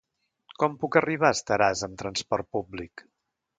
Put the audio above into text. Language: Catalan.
Com puc arribar a Estaràs amb trasport públic?